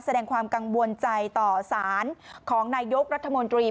แสดงความกังวลใจต่อสารของนายกรัฐมนตรี